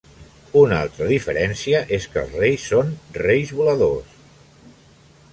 Una altra diferència és que els reis són Reis voladors.